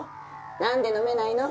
なんで飲めないの？